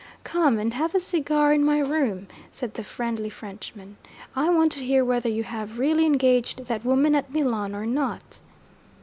'Come and have a cigar in my room,' said the friendly Frenchman. 'I want to hear whether you have really engaged that woman at Milan or not.'